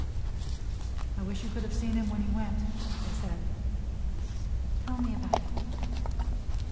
"I wish you could have seen him when he went," they said. "Tell me about it."